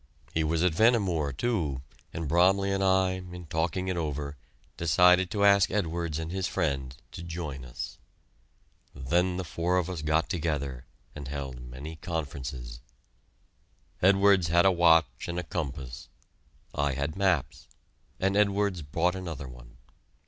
He was at Vehnemoor, too, and Bromley and I, in talking it over, decided to ask Edwards and his friend to join us. Then the four of us got together and held many conferences. Edwards had a watch and a compass; I had maps, and Edwards bought another one.